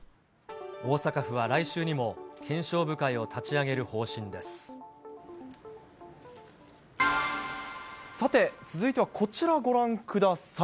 大阪府は来週にも検証部会をさて、続いてはこちら、ご覧ください。